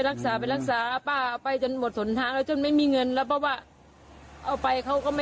ตีอืมตระหลบแม่อ่ะอืม